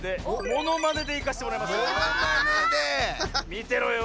みてろよ！